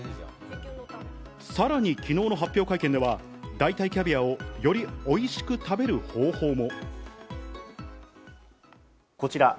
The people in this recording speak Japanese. さらに、昨日の発表会見では代替キャビアをよりおいしく食べる方法も。